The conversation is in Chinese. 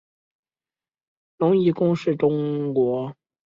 荣夷公是中国西周时期诸侯国荣国的国君。